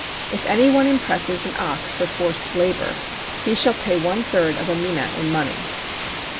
If any one impresses an ox for forced labor, he shall pay one third of a mina in money.